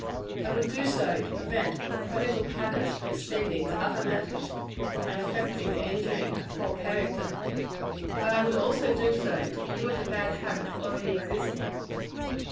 I would do so, to prevent her prodigal habits from extending to other matters, and affecting and injuring her whole character. But I would also do so, to cure the bad habit already existing.